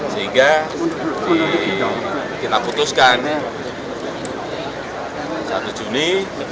sehingga kita putuskan satu juni